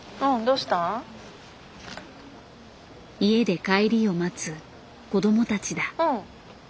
家で帰りを待つ子どもたちだ。